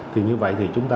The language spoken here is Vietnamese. thì như vậy thì chúng ta